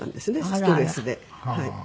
ストレスで。